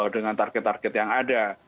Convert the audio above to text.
dengan target target yang ada